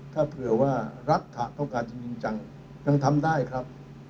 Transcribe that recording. ถ้าเผื่อว่ารัฐต้องการจะจริงจังยังทำได้ครับ